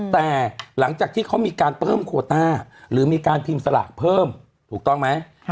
แต่หลังจากที่เขามีการเพิ่มโคต้าหรือมีการพิมพ์สลากเพิ่มถูกต้องไหม